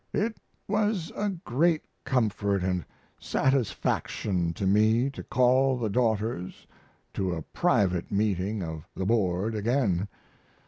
It was a great comfort & satisfaction to me to call the daughters to a private meeting of the board again.